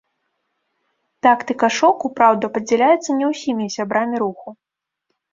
Тактыка шоку, праўда, падзяляецца не ўсімі сябрамі руху.